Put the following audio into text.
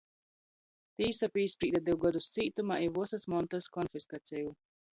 Tīsa pīsprīde div godus cītumā i vysys montys konfiskaceju.